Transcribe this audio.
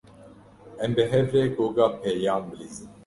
Em bi hev re goga pêyan bilîzin.